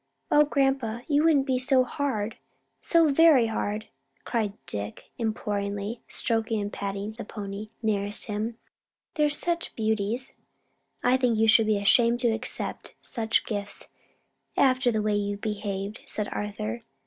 "O, grandpa, you couldn't be so hard, so very hard!" cried Dick imploringly, stroking and patting the pony nearest to him, "they're such beauties." "I should think you'd be ashamed to accept such gifts after the way you've behaved," said Arthur.